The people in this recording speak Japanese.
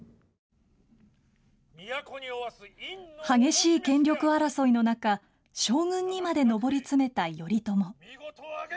激しい権力争いの中、将軍にまで上り詰めた頼朝。